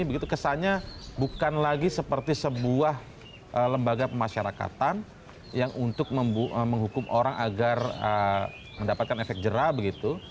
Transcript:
begitu kesannya bukan lagi seperti sebuah lembaga pemasyarakatan yang untuk menghukum orang agar mendapatkan efek jerah begitu